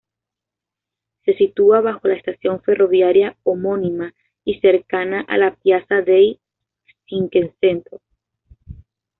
Se sitúa bajo la estación ferroviaria homónima y cercana a la Piazza dei Cinquecento.